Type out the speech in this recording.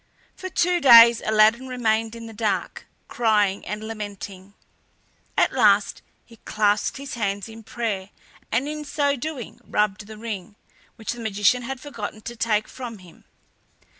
For two days Aladdin remained in the dark, crying and lamenting. At last he clasped his hands in prayer, and in so doing rubbed the ring, which the magician had forgotten to take from him.